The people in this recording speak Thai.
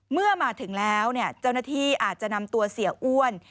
เมื่อมาถึงแล้วเจ้าหน้าที่อาจจะนำตัวเสียอ้วน